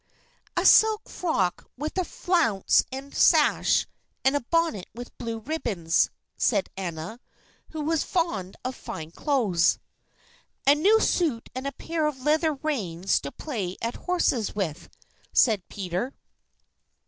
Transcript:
"A silk frock with a flounce and a sash, and a bonnet with blue ribbons," said Anna, who was fond of fine clothes. "A new suit and pair of leather reins to play at horses with," said Peter.